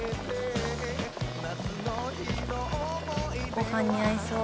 ごはんに合いそう。